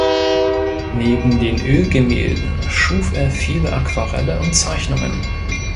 Neben den Ölgemälden schuf er viele Aquarelle und Zeichnungen.